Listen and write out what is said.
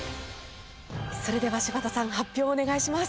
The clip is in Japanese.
それでは柴田さん発表をお願いします。